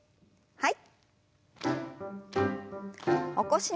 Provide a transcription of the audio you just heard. はい。